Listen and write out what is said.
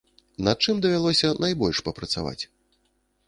Над чым давялося найбольш папрацаваць?